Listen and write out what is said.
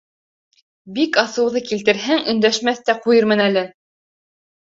Бик асыуҙы килтерһәң, өндәшмәҫ тә ҡуйырмын әле.